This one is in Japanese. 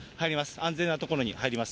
安全な所に入ります。